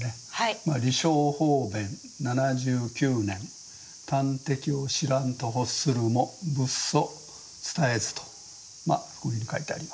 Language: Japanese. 「利生方便七十九年端的を知らんと欲するも仏祖伝えず」とこういうふうに書いてあります。